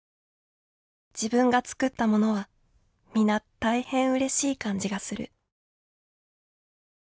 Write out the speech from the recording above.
自分が作ったものは皆大変うれしい感じがする」。